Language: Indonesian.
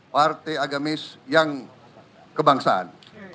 partai agamis yang kebangsaan